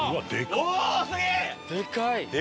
でかい！